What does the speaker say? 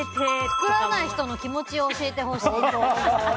作らない人の気持ちを教えてほしい。